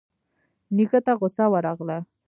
نيکه ته غوسه ورغله.